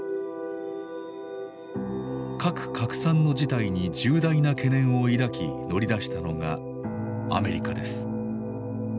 核拡散の事態に重大な懸念を抱き乗り出したのがアメリカです。